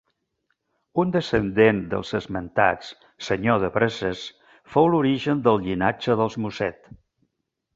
Un descendent dels esmentats, senyor de Breses, fou l'origen del llinatge dels Mosset.